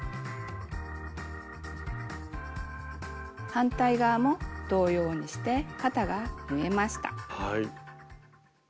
反対側も同様にして肩が縫えました。